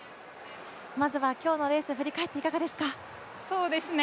まずは今日のレース、振り返っていかがですか？